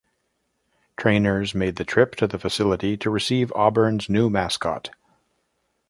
Trainers made the trip to the facility to receive Auburn's new mascot.